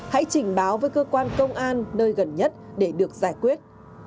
hãy trình báo với cơ quan công an nơi gần nhất để được giải quyết